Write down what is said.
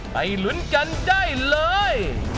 ไปลุ้นกันได้เลย